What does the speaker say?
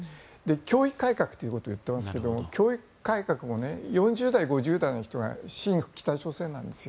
教育改革ということも言っていますが教育改革というのも４０代、５０代の人は親北朝鮮なんですよ。